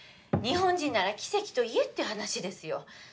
日本人なら奇跡と言えって話ですよ